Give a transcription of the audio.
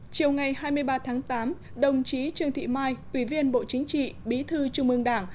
chiều ngày hai mươi ba tháng tám đồng chí trương thị mai ủy viên bộ chính trị bí thư trung ương đảng